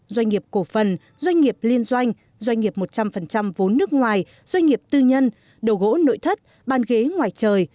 doanh nghiệp cổ phần doanh nghiệp liên doanh doanh nghiệp một trăm linh vốn nước ngoài doanh nghiệp tư nhân đồ gỗ nội thất bàn ghế ngoài trời